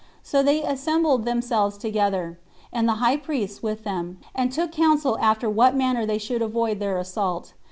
So they assembled themselves together, and the high priests with them, and took counsel after what manner they should avoid their assault.